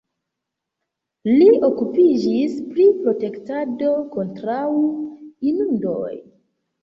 Li okupiĝis pri protektado kontraŭ inundoj.